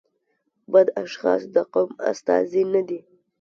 بد اشخاص د قوم استازي نه دي.